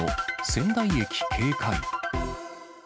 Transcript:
仙台駅警戒。